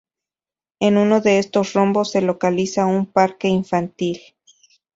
En uno de estos rombos se localiza un parque infantil.